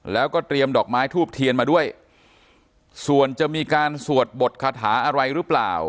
แล้วก็เตรียมดอกไม้ทูบเทียนมาด้วยส่วนจะมีการสวดบทคาถาอะไรหรือเปล่า